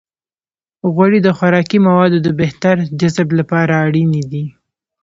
غوړې د خوراکي موادو د بهتر جذب لپاره اړینې دي.